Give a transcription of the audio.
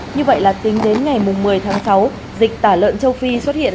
như vậy là tính đến ngày một mươi tháng sáu dịch tả lợn châu phi xuất hiện